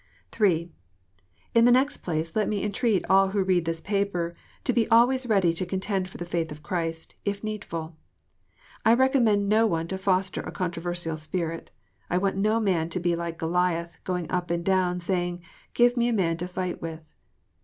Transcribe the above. (3) In the next place, let me entreat all who read this paper to be always ready to contend for the faith of Christ, if needful. I recommend no one to foster a controversial spirit. I want no man to be like Goliath, going up and down, saying, " Give me a man to fight with."